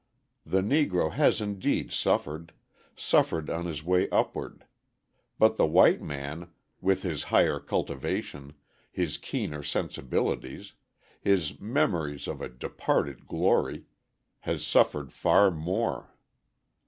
The Negro has indeed suffered suffered on his way upward; but the white man, with his higher cultivation, his keener sensibilities, his memories of a departed glory, has suffered far more.